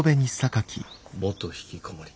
元ひきこもり。